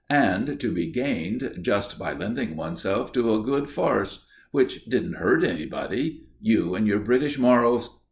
And to be gained just by lending oneself to a good farce, which didn't hurt anybody. You and your British morals!